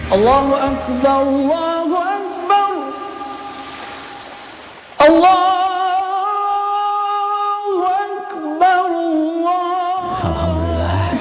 ini adalah kehidupan mudah